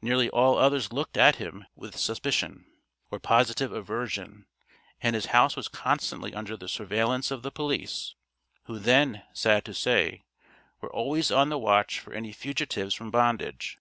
Nearly all others looked at him with suspicion, or positive aversion, and his house was constantly under the surveillance of the police, who then, sad to say, were always on the watch for any fugitives from bondage.